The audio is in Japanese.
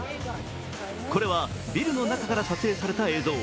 これはビルの中から撮影された映像。